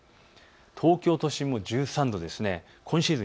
東京都心も１３度、今シーズン